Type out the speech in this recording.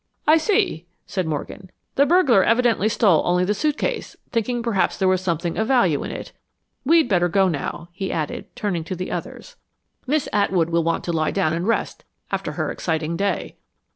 "I see," said Morgan. "The burglar evidently stole only the suitcase, thinking perhaps there was something of value in it. We'd better go now," he added, turning to the others. "Miss Atwood will want to lie down and rest after her exciting day."